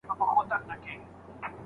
ارمان کاکا ډېر بوډا شوی دی.